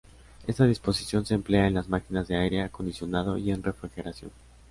Esta disposición se emplea en las máquinas de aire acondicionado y en refrigeración.